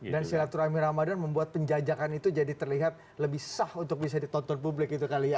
dan silaturahmi ramadhan membuat penjajakan itu jadi terlihat lebih sah untuk bisa ditonton publik itu kali ya